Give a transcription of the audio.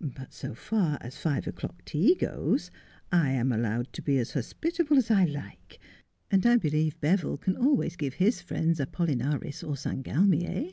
But so far as five o'clock tea goes, I am al lowed to be as hospitable as I like ; and I believe Beville can always give his friends Apollinaris or St. Galmier.